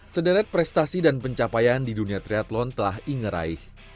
sederet prestasi dan pencapaian di dunia triathlon telah inge raih